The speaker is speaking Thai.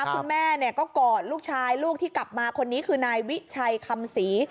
คุณแม่ก็กอดลูกชายลูกที่กลับมาคนนี้คือนายวิชัยคำศรี